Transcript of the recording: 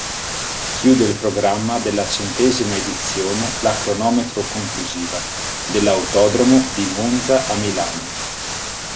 Chiude il programma della centesima edizione la cronometro conclusiva, dall'autodromo di Monza a Milano.